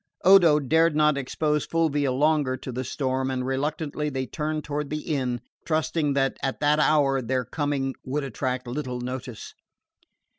Odo dared not expose Fulvia longer to the storm, and reluctantly they turned toward the inn, trusting that at that hour their coming would attract little notice.